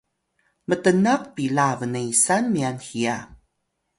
mtnaq pila bnesan myan hiya